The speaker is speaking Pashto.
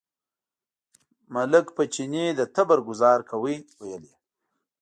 ملک په چیني د تبر ګوزار کاوه، ویل یې.